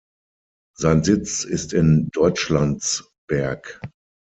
Sein Sitz ist in Deutschlandsberg.